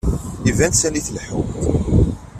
Iban sani tleḥḥumt.